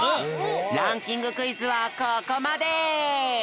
ランキングクイズはここまで！